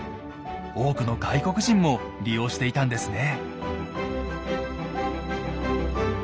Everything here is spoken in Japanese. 多くの外国人も利用していたんですね。